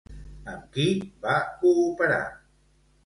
Amb qui va cooperar?